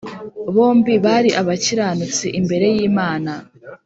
Bombi bari abakiranutsi imbere y Imana